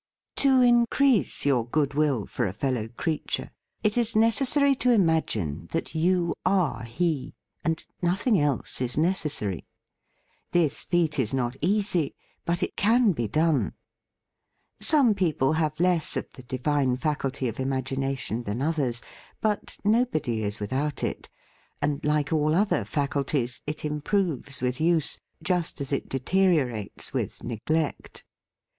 To increase your goodwill for a fel low creature, it is necessary to imagine that you are he: and nothing else is necessary. This feat is not easy; but it can be done. Some people have less of the divine faculty of imagination than others, but nobody is without it, and, like all other faculties, it improves with use, just as it deteriorates with neg lect.